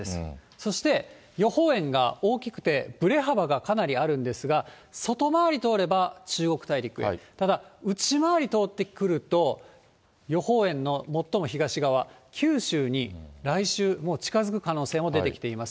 そして予報円が大きくて、ぶれ幅がかなりあるんですが、外回り通れば中国大陸へ、ただ内回り通ってくると、予報円の最も東側、九州に来週、もう近づく可能性も出てきています。